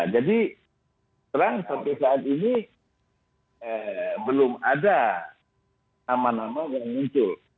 jadi terang sampai saat ini belum ada nama nama yang muncul